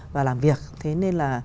và làm việc thế nên là